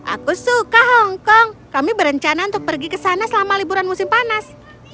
aku suka hongkong kami berencana untuk pergi ke sana selama liburan musim panas